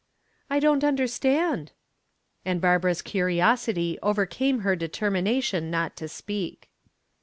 "I don't understand," and Barbara's curiosity overcame her determination not to speak.